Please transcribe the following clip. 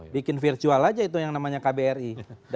bikin virtual aja itu yang namanya kbri